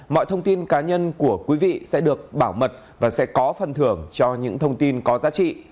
mọi thông tin cá nhân của quý vị sẽ được bảo mật và sẽ có phần thưởng cho những thông tin có giá trị